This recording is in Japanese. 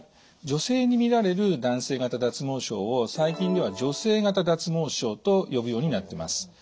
女性にみられる男性型脱毛症を最近では女性型脱毛症と呼ぶようになってます。